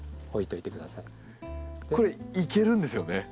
これいけるんですよね？